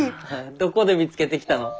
どこで見つけてきたの？